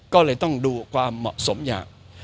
ก็เลยต้องดูความเหมาะสมอย่าง